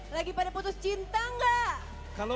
lagi pada putus cinta nggak